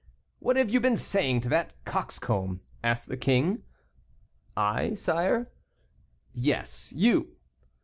"What have you been saying to that coxcomb?" asked the king. "I, sire?" "Yes, you."